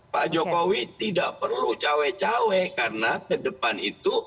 pak jokowi tidak perlu cawe cawe karena ke depan itu